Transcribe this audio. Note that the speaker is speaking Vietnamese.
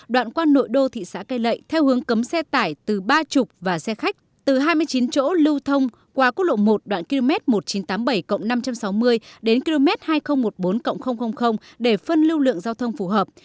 đoạn qua nội đô thị xã cây lệ theo hướng cấm xe tải từ ba mươi và xe khách từ hai mươi chín chỗ lưu thông qua quốc lộ một đoạn km một nghìn chín trăm tám mươi bảy năm trăm sáu mươi đến km hai nghìn một mươi bốn để phân lưu lượng giao thông phù hợp